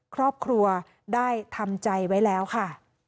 ครอบครัวได้ทำใจไว้แล้วค่ะ